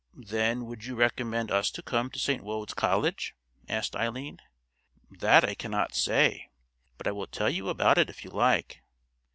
"Then, would you recommend us to come to St. Wode's College?" asked Eileen. "That I cannot say; but I will tell you about it if you like.